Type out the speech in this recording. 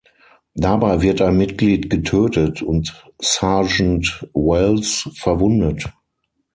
Dabei wird ein Mitglied getötet und Sergeant Wells verwundet.